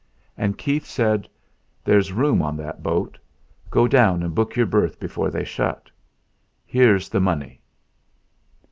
And Keith said: "There's room on that boat. Go down and book your berth before they shut. Here's the money!"